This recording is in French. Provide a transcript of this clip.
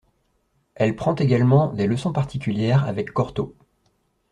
Elle prend également des leçons particulières avec Cortot.